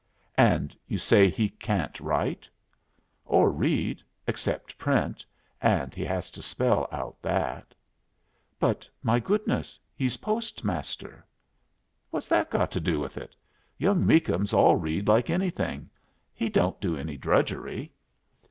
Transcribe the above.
"And you say he can't write?" "Or read, except print, and he has to spell out that." "But, my goodness, he's postmaster!" "What's that got to do with it? Young Meakums all read like anything. He don't do any drudgery."